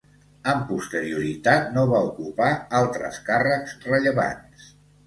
Amb posterioritat no va ocupar altres càrrecs rellevants.